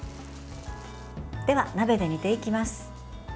では、鍋で煮ていきます。